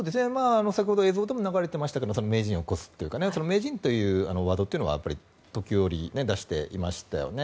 先ほど映像でも流れてましたけど名人を超すというか名人というワードというのはやっぱり時折、出していましたよね。